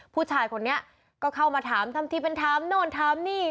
ผู้ชายคนนี้ก็เข้ามาถามทำทีเป็นถามโน่นถามนี่